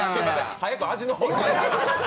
早く味の方を。